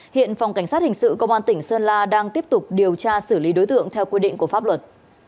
hiện phòng cảnh sát hình sự công an tỉnh sơn la đang tiếp tục điều tra xử lý đối tượng theo quy định của pháp luật